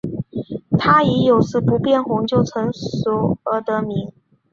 它以有时不变红就成熟而得名。